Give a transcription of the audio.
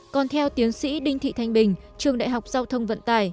còn theo tiến sĩ đinh thị thanh bình trường đại học giao thông vận tải